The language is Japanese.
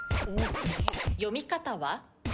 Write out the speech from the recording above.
読み方は？